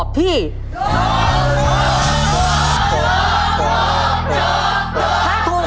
ผิด